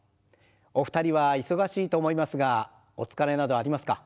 お二人は忙しいと思いますがお疲れなどありますか？